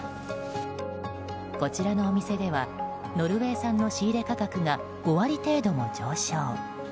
こちらのお店ではノルウェー産の仕入れ価格が５割程度も上昇。